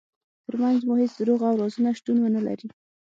ترمنځ مو هیڅ دروغ او رازونه شتون ونلري.